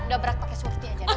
dobrak pakai swifty aja